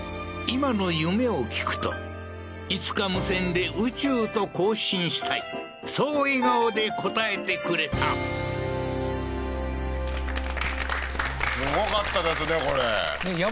今の夢を聞くといつか無線で宇宙と交信したいそう笑顔で答えてくれたすごかったですね